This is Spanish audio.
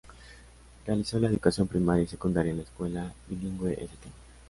Realizó la educación primaria y secundaria en la escuela bilingüe St.